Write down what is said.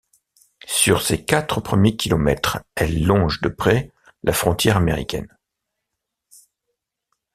Sur ses quatre premiers kilomètres, elle longe de près la frontière américaine.